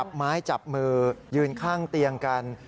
ไม้จับมือยืนข้างเตียงกัน